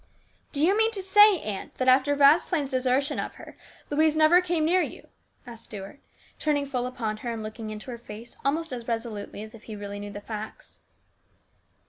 " Do you mean to say, aunt, that after Vasplaine's desertion of her, Louise never came near you?" asked Stuart, turning full upon her and looking into her face almost as resolutely as if he really knew the facts.